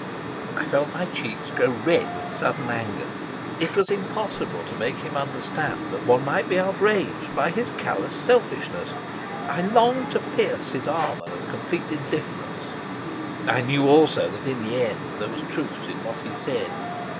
I felt my cheeks grow red with sudden anger. It was impossible to make him understand that one might be outraged by his callous selfishness. I longed to pierce his armour of complete indifference. I knew also that in the end there was truth in what he said.